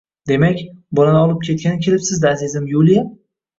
Demak, bolani olib ketgani kelibsiz-da, azizam Yuliya?!